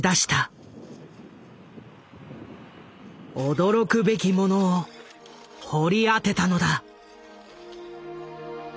驚くべきものを掘り当てたのだ。